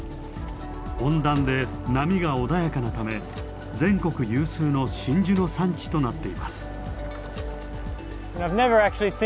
温暖で波が穏やかなため全国有数の真珠の産地となっています。